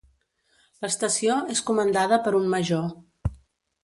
L'estació és comandada per un major.